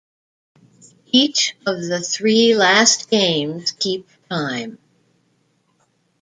Each of the three last games keep time.